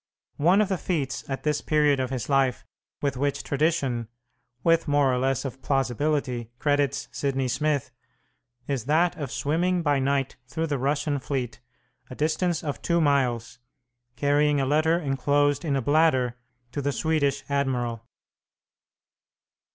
One of the feats at this period of his life with which tradition, with more or less of plausibility, credits Sidney Smith, is that of swimming by night through the Russian fleet, a distance of two miles, carrying a letter enclosed in a bladder to the Swedish admiral.